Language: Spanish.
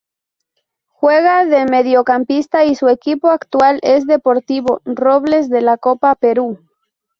Juega de mediocampista y su equipo actual es Deportivo Robles de la Copa Perú.